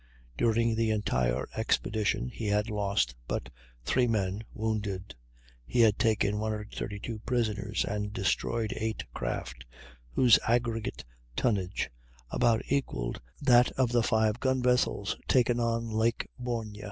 During the entire expedition he had lost but three men, wounded; he had taken 132 prisoners, and destroyed eight craft whose aggregate tonnage about equalled that of the five gun vessels taken on Lake Borgne.